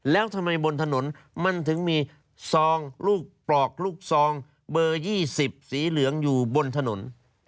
แล้วทำไมบนถนนมันถึงมีซองลูกปลอกลูกซองเบอร์๒๐สีเหลืองอยู่บนถนน